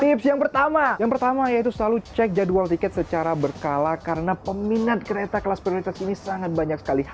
tips yang pertama yang pertama yaitu selalu cek jadwal tiket secara berkala karena peminat kereta kelas prioritas ini sangat banyak sekali